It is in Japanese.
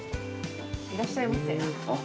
いらっしゃいませ。